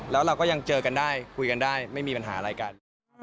แล้วเราก็ยังเจอกันได้คุยกันได้ไม่มีปัญหาอะไรกัน